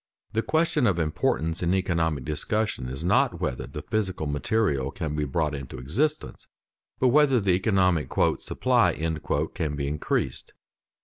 The question of importance in economic discussion is not whether the physical material can be brought into existence, but whether the economic "supply" can be increased.